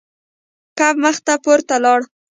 کب مخ پورته لاړ.